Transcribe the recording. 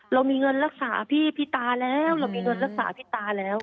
เรามีเงินรักษาพี่พี่ตาแล้วเรามีเงินรักษาพี่ตาแล้ว